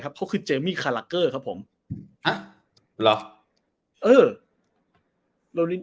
ครับเขาคือเจมมิคานรกเกิร์ครับผมอ่ะหรอเออโรนิ